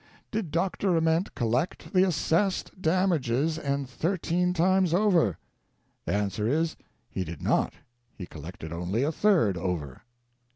Did Dr. Ament collect the assessed damages and thirteen times over? The answer is: He did not. He collected only a third over.